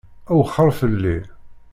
Wexxeṛ fell-i.